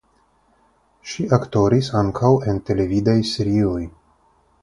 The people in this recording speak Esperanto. Ŝi aktoris ankaŭ en televidaj serioj.